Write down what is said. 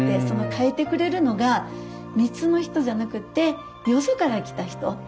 その変えてくれるのが三津の人じゃなくてよそから来た人。